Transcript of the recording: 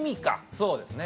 そうですね。